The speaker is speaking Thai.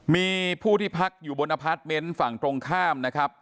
มีผู้ที่พักอยู่บนอพาร์ทเมนต์ฝั่งตรงข้ามนะครับ